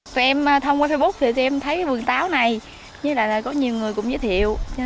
tụi em thông qua facebook thì tụi em thấy vườn táo này với lại là có nhiều người cũng giới thiệu